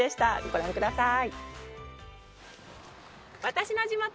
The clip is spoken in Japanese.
ご覧ください。